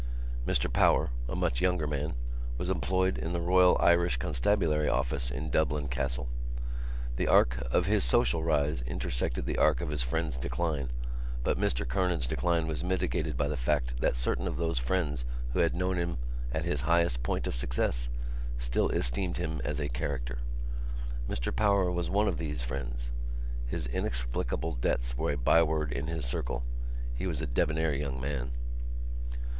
Mr Power, a much younger man, was employed in the Royal Irish Constabulary Office in Dublin Castle. The arc of his social rise intersected the arc of his friend's decline, but Mr Kernan's decline was mitigated by the fact that certain of those friends who had known him at his highest point of success still esteemed him as a character. Mr Power was one of these friends. His inexplicable debts were a byword in his circle; he was a debonair young man.